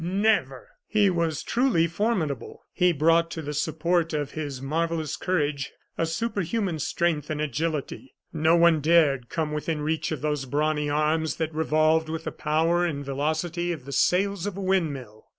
never!" He was truly formidable; he brought to the support of his marvellous courage a superhuman strength and agility. No one dared come within reach of those brawny arms that revolved with the power and velocity of the sails of a wind mill.